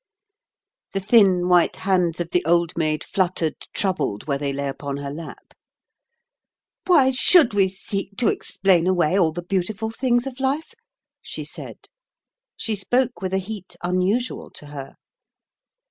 The thin, white hands of the Old Maid fluttered, troubled, where they lay upon her lap. "Why should we seek to explain away all the beautiful things of life?" she said. She spoke with a heat unusual to her.